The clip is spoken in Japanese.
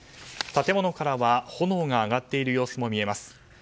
建物からは炎が上がっている様子も見えます。